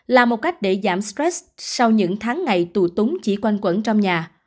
là một cách để giảm stress sau những tháng ngày tù chỉ quanh quẩn trong nhà